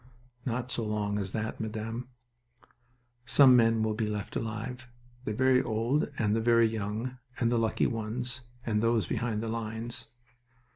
"Not so long as that, Madame. Some men will be left alive. The very old and the very young, and the lucky ones, and those behind the lines."